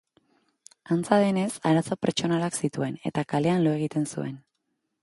Antza denez, arazo pertsonalak zituen eta kalean lo egiten zuen.